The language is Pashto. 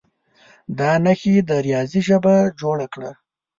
دا نښې د ریاضي ژبه جوړه کړه.